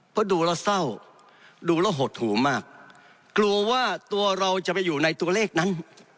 เพราะดูแล้วเศร้าดูแล้วหดหูมากกลัวว่าตัวเราจะไปอยู่ในตัวเลขนั้น